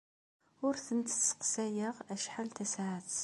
Ur tent-sseqsayeɣ acḥal tasaɛet.